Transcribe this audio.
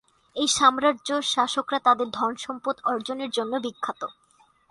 এই সাম্রাজ্যের শাসকরা তাদের ধনসম্পদ অর্জনের জন্য বিখ্যাত।